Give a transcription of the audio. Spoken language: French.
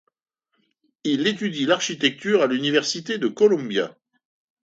Il étudie l'architecture à l'université Columbia.